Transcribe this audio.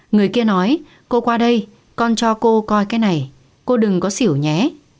người kia nói cô qua đây con cho cô coi cái này cô đừng có xỉu nhé